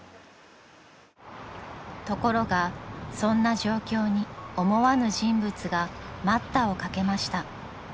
［ところがそんな状況に思わぬ人物が待ったをかけました］